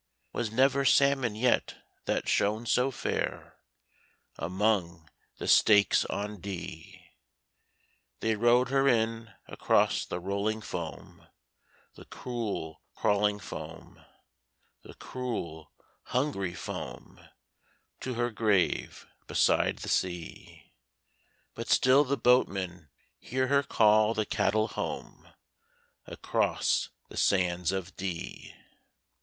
Was never salmon yet that shone so fair Among the stakes on Dee.' They rowed her in across the rolling foam, The cruel crawling foam, The cruel hungry foam, To her grave beside the sea: But still the boatmen hear her call the cattle home Across the sands of Dee.